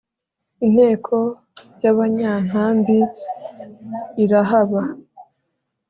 inteko y' abanyanka mbi irahaba